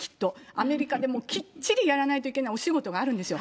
アメリカでもきっちりやらないといけないお仕事があるんですよ。